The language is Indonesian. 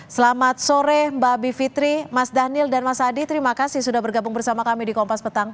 selamat sore mbak bivitri mas daniel dan mas adi terima kasih sudah bergabung bersama kami di kompas petang